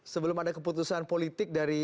sebelum ada keputusan politik dari